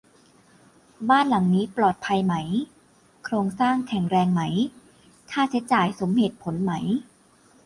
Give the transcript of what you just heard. บ้านหลังนี้ ปลอดภัยไหม โครงสร้างแข็งแรงไหม ค่าใช้จ่ายสมเหตุผลไหม